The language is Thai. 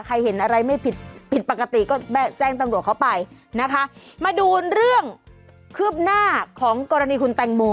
เห็นอะไรไม่ผิดผิดปกติก็แจ้งตำรวจเข้าไปนะคะมาดูเรื่องคืบหน้าของกรณีคุณแตงโม